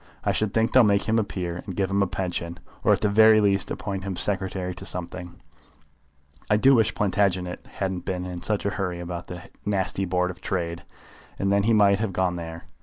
I should think they'll make him a peer, and give him a pension, or at the very least appoint him secretary to something. I do wish Plantagenet hadn't been in such a hurry about that nasty Board of Trade, and then he might have gone there.